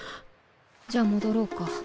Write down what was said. じゃあ戻ろうか。